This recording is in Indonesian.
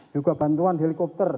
juga bantuan helikopter